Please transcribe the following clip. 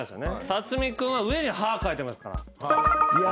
辰巳君は上に「は」書いてますから。